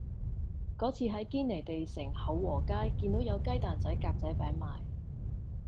嗰次喺堅尼地城厚和街見到有雞蛋仔格仔餅賣